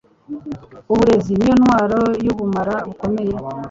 Uburezi niyo ntwaro yubumara bukomeye